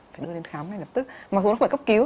phải đưa đến khám ngay lập tức mặc dù nó không phải cấp cứu